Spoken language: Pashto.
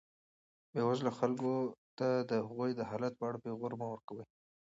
بېوزلو خلکو ته د هغوی د حالت په اړه پېغورونه مه ورکوئ.